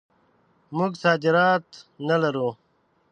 موږ صادرات نه لرو.